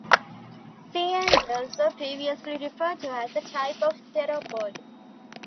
Sea angels were previously referred to as a type of pteropod.